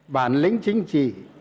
bản lĩnh chính trị